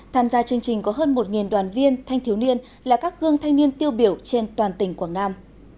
tham gia chương trình có hơn một đoàn viên thanh thiếu niên là các gương thanh niên tiêu biểu trên toàn tỉnh quảng nam